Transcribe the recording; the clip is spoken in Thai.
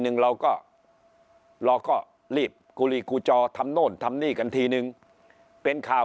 หนึ่งเราก็เราก็รีบกูลีกูจอทำโน่นทำนี่กันทีนึงเป็นข่าว